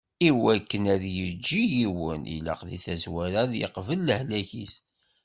Iwakken ad yejji yiwen, ilaq di tazwara ad yeqbel lehlak-is.